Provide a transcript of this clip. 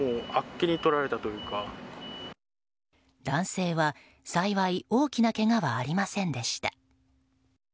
男性は幸い大きなけがはありませんでした。